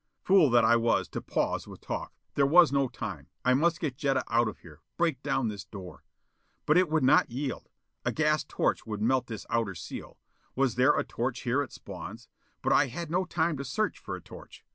Fool that I was, to pause with talk! There was no time: I must get Jetta out of here. Break down this door. But it would not yield. A gas torch would melt this outer seal. Was there a torch here at Spawn's? But I had no time to search for a torch!